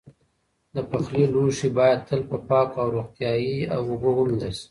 د پخلي لوښي باید تل په پاکو او روغتیایي اوبو ومینځل شي.